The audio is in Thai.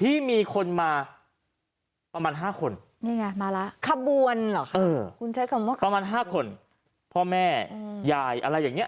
ที่มีคนมาประมาณ๕คนประมาณ๕คนพ่อแม่ยายอะไรอย่างนี้